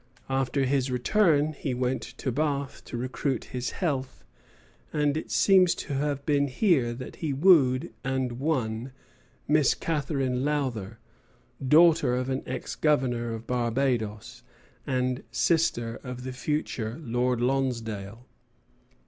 After his return he went to Bath to recruit his health; and it seems to have been here that he wooed and won Miss Katherine Lowther, daughter of an ex Governor of Barbadoes, and sister of the future Lord Lonsdale.